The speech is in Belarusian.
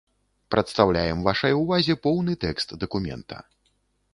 Прадстаўляем вашай увазе поўны тэкст дакумента.